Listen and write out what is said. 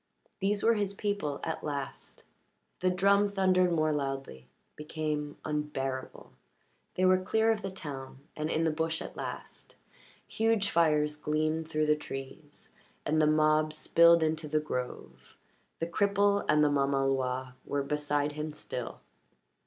These were his people at last. The drum thundered more loudly, became unbearable. They were clear of the town and in the bush at last; huge fires gleamed through the trees, and the mob spilled into the grove. The cripple and the mamaloi were beside him still.